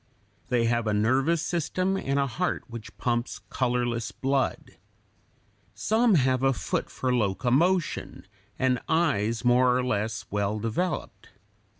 They have a nervous system, and a heart (H) which pumps colorless blood. Some have a foot for locomotion and eyes more or less well developed.